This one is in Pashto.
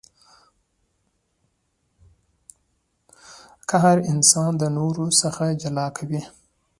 قهر انسان د نورو څخه جلا کوي.